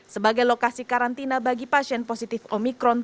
sebagai lokasi karantina bagi pasien positif omikron